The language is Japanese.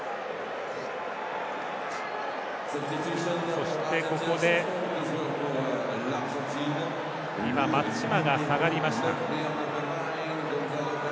そして、ここで今松島が下がりました。